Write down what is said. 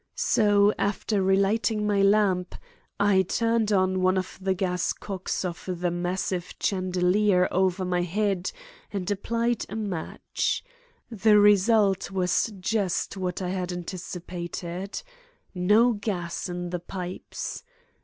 So after relighting my lamp, I turned on one of the gas cocks of the massive chandelier over my head and applied a match. The result was just what I anticipated; no gas in the pipes.